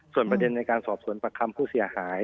ส่วนประเด็นในการสอบสวนประคำผู้เสียหาย